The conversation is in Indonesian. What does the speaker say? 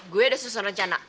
gue udah susun rencana